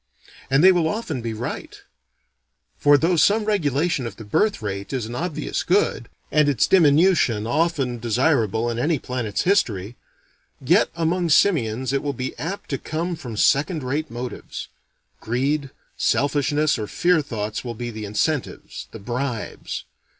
And they will often be right: for though some regulation of the birth rate is an obvious good, and its diminution often desirable in any planet's history, yet among simians it will be apt to come from second rate motives. Greed, selfishness or fear thoughts will be the incentives, the bribes.